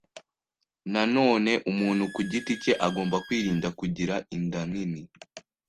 Nanone umuntu ku giti cye agomba kwirinda kugira inda nini